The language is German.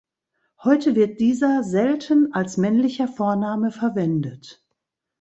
Heute wird dieser selten als männlicher Vorname verwendet.